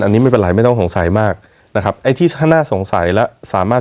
อันนี้ไม่เป็นไรไม่ต้องสงสัยมากนะครับไอ้ที่น่าสงสัยและสามารถ